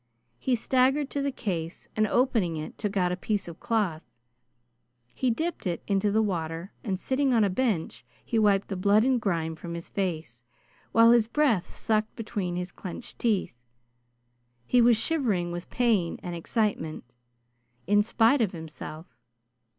He staggered to the case, and opening it he took out a piece of cloth. He dipped it into the water, and sitting on a bench, he wiped the blood and grime from his face, while his breath sucked between his clenched teeth. He was shivering with pain and excitement in spite of himself.